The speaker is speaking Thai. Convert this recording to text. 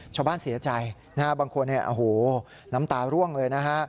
ชาวบ้านเสียใจนะฮะบางคนเนี่ยโอ้โหน้ำตาร่วงเลยนะฮะ